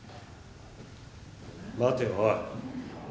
待ておい。